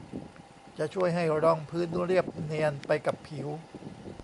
จะช่วยให้รองพื้นเรียบเนียนไปกับผิว